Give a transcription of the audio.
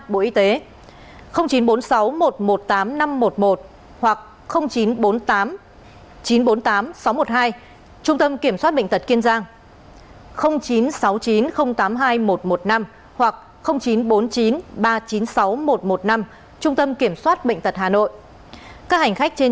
bộ y tế đã gọi điện